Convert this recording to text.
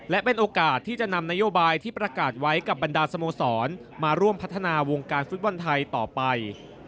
และเป็นโอกาสที่จะนำนโยบายที่ประกาศไว้กับบรรดาสโมสรมาร่วมพัฒนาวงการฟุตบอลไทยต่อไป